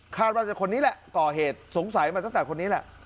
ว่าจะคนนี้แหละก่อเหตุสงสัยมาตั้งแต่คนนี้แหละ